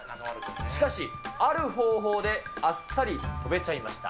しかし、ある方法であっさり飛べちゃいました。